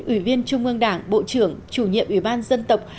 ủy viên trung ương đảng bộ trưởng chủ nhiệm ủy ban dân tộc